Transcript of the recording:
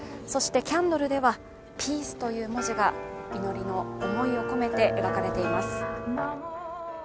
そしてキャンドルでは「ピース」という文字が祈りの思いを込めて描かれています。